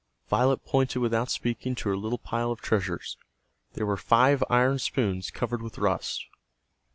Violet pointed without speaking to her little pile of treasures. There were five iron spoons covered with rust.